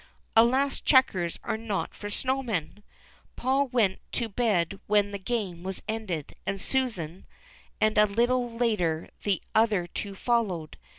Alas, checkers are not for snow men ! Paul Avent to bed when the game was ended, and Susan, and a lit tle later the other tAvo follovA'ed.